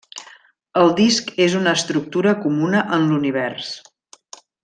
El disc és una estructura comuna en l'univers.